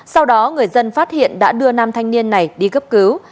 sau đó người dân phát hiện đã đưa nam thanh niên này đi cấp cứu